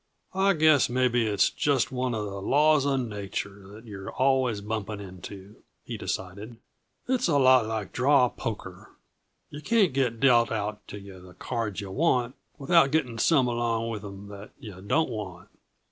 "I guess maybe it's just one uh the laws uh nature that you're always bumping into," he decided. "It's a lot like draw poker. Yah can't get dealt out to yuh the cards yuh want, without getting some along with 'em that yuh don't want.